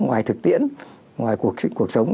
ngoài thực tiễn ngoài cuộc sống